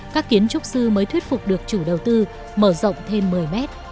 các kiến trúc sư mới thuyết phục được chủ đầu tư mở rộng thêm một mươi mét